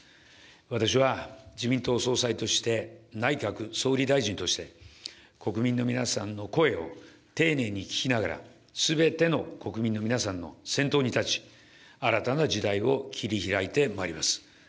私は自民党総裁として、内閣総理大臣として、国民の皆さんの声を、丁寧に聞きながら、すべての国民の皆さんの先頭に立ち、新たな時代を切り開いてまいります。